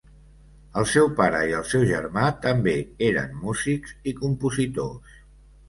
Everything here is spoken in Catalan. El seu pare i el seu germà també eren músics i compositors.